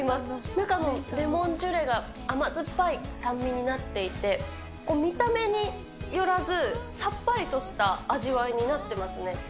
中のレモンジュレが甘酸っぱい酸味になっていて、こう、見た目によらず、さっぱりとした味わいになっていますね。